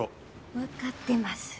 わかってます。